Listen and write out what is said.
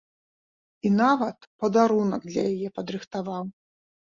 І нават падарунак для яе падрыхтаваў!